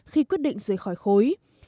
khi quyết định rời khỏi khối